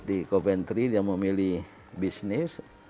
di coventry dia memilih bisnis